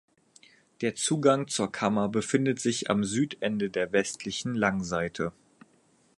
Der Zugang zur Kammer befindet sich am Südende der westlichen Langseite.